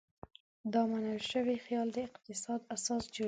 دا منل شوی خیال د اقتصاد اساس جوړوي.